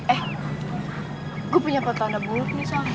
eh gue punya pertanda buruk nih soh